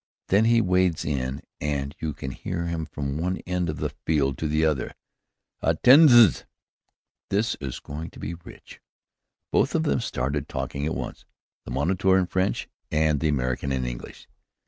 Then he wades in and you can hear him from one end of the field to the other. Attendez! this is going to be rich!" Both of them started talking at once, the moniteur in French and the American in English.